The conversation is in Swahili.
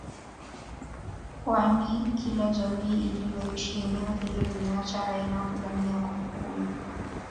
kwani kila jamii iliyoishi eneo hilo imeacha aina fulani ya kumbukumbu